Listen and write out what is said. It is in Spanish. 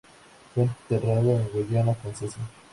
Fue enterrado en Guayana Francesa.